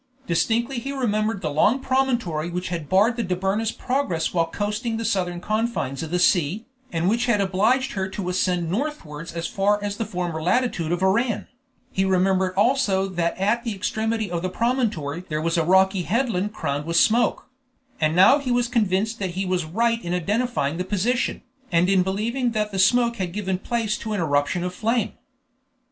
Distinctly he remembered the long promontory which had barred the Dobryna's progress while coasting the southern confines of the sea, and which had obliged her to ascend northwards as far as the former latitude of Oran; he remembered also that at the extremity of the promontory there was a rocky headland crowned with smoke; and now he was convinced that he was right in identifying the position, and in believing that the smoke had given place to an eruption of flame.